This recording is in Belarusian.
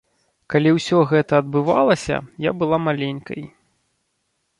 Калі ўсё гэта адбывалася, я была маленькай.